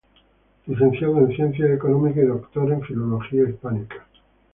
Licenciado en Ciencias Económicas y doctor en Filología Hispánica.